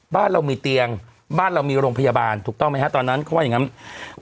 บ้านเรามีเตียงบ้านเรามีโรงพยาบาลถูกต้องไหมฮะตอนนั้นเขาว่าอย่างงั้น